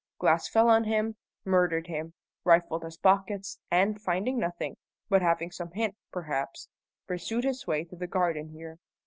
Glass fell on him, murdered him, rifled his pockets, and, finding nothing but having some hint, perhaps pursued his way to the garden here.